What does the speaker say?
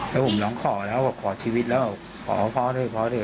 แล้วผมน้องขอแล้วขอชีวิตแล้วขอพ่อเถอะพ่อเถอะ